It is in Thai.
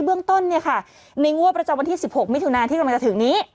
เบื้องต้นเนี่ยค่ะในงวดประจำวันที่๑๖มิถุนาที่กำลังจะถึงนี้